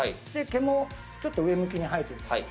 毛もちょっと上向きに生えてる。